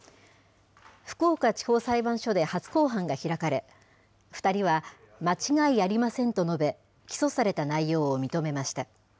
福岡地方裁判所で初公判が開かれ、２人は間違いありませんと述べ、起訴された内容を認めました。